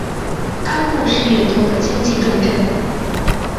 庵埠是粤东的经济重镇。